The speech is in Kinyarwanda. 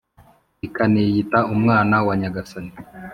ikaniyita umwana wa Nyagasani.